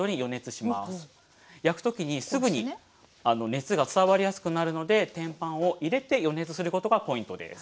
熱が伝わりやすくなるので天板を入れて予熱することがポイントです。